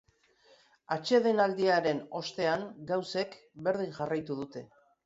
Atsedenaldiaren ostean gauzek berdin jarraitu dute.